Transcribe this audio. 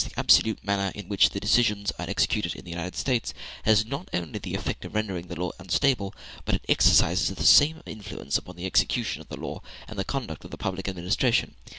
] The omnipotence of the majority, and the rapid as well as absolute manner in which its decisions are executed in the United States, has not only the effect of rendering the law unstable, but it exercises the same influence upon the execution of the law and the conduct of the public administration.